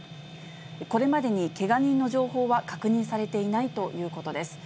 これまでにけが人の情報は確認されていないということです。